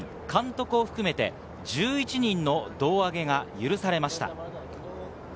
監督を含めて、１１人の胴上げが許されました。